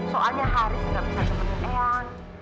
soalnya haris gak bisa temenin eyang